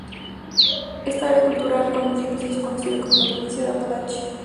Esta área cultural con el tiempo se hizo conocida como la Provincia de Apalache.